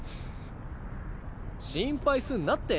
心配すんなって。